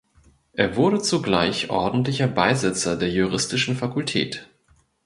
Er wurde zugleich ordentlicher Beisitzer der Juristischen Fakultät.